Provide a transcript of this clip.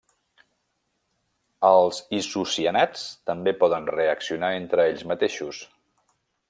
Els isocianats també poden reaccionar entre ells mateixos.